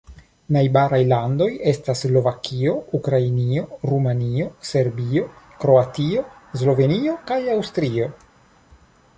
Najbaraj landoj estas Slovakio, Ukrainio, Rumanio, Serbio, Kroatio, Slovenio kaj Aŭstrio.